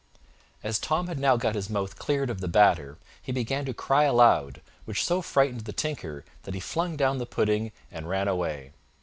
As Tom had now got his mouth cleared of the batter, he began to cry aloud, which so frightened the tinker that he flung down the pudding and ran away.